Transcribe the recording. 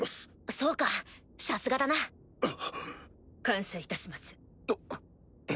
そうかさすがだな。感謝いたします。